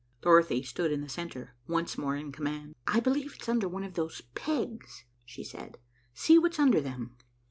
Dorothy stood in the centre, once more in command. "I believe it's under one of those pegs," she said. "See what's under them."